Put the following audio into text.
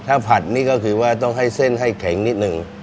ถ้าผัดนี่ก็คือว่าต้องให้เส้นให้แข็งนิดนึง